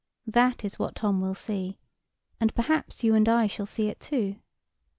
That is what Tom will see, and perhaps you and I shall see it too.